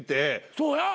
そうや。